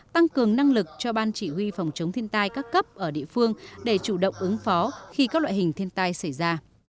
tăng cường năng lực cho ban chỉ huy phòng chống thiên tai các cấp ở địa phương để chủ động ứng phó khi các loại hình thiên tai xảy ra